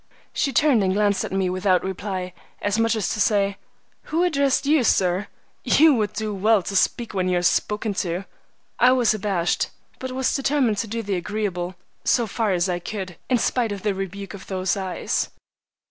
She turned and glanced at me without reply, as much as to say, "Who addressed you, sir? You would do well to speak when you are spoken to." I was abashed, but was determined to do the agreeable so far as I could, in spite of the rebuke of those eyes.